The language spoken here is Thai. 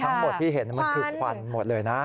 ทั้งหมดที่เห็นมันคือควันหมดเลยนะ